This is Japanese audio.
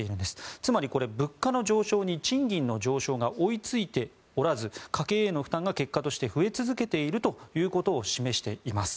つまり、物価の上昇に賃金の上昇が追いついておらず家計への負担が結果として増え続けていることを示しています。